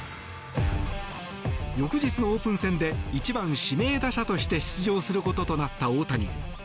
翌日のオープン戦で１番指名打者として出場することとなった大谷。